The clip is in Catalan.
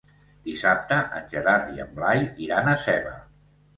Dissabte en Gerard i en Blai iran a Seva.